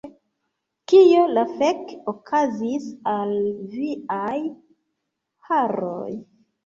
Kio la fek' okazis al viaj haroj